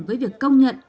với việc công nhận